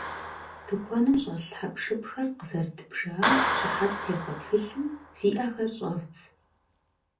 Тыкуэным щӏэлъ хьэпшыпхэр къызэрыдбжам щыхьэт техъуэ тхылъым фи ӏэхэр щӏэвдз.